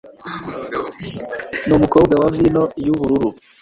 numukobwa wa vino yubururu